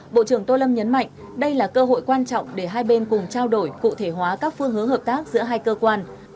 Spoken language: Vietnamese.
bộ trưởng tô lâm nhấn mạnh đây là cơ hội quan trọng để hai bên cùng trao đổi cụ thể hóa các phương hướng hợp tác giữa hai cơ quan